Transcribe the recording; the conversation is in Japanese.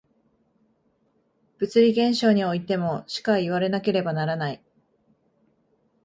物理現象においてもしかいわなければならない。